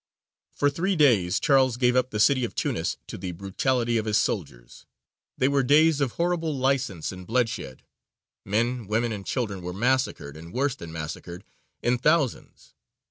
For three days Charles gave up the city of Tunis to the brutality of his soldiers. They were days of horrible license and bloodshed. Men, women, and children were massacred, and worse than massacred, in thousands.